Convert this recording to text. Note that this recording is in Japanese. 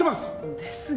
ですが。